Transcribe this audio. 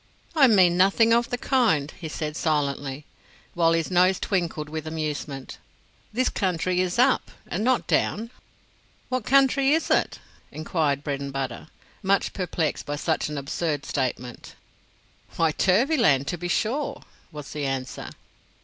"I mean nothing of the kind," he said, silently, while his nose twinkled with amusement; "this country is up, and not down." "What country is it?" inquired Bredenbutta, much perplexed by such an absurd statement. "Why, Turvyland, to be sure," was the answer.